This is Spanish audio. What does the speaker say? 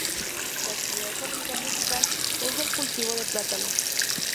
La actividad económica principal es el cultivo de plátano.